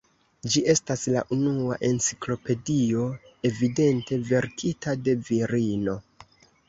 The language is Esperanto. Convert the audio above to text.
Ĝi estas la unua enciklopedio evidente verkita de virino.